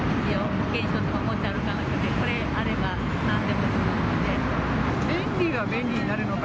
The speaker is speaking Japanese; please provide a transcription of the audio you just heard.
保険証とか持って歩かなくて、これあれば、なんでもできるので。